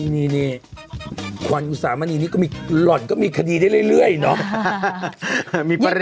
นี่ขวัญอุสามณีนี้ก็มีหล่อนก็มีคดีได้เรื่อยเนาะ